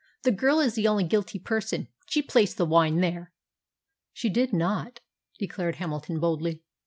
The girl is the only guilty person. She placed the wine there!" "She did not!" declared Hamilton boldly.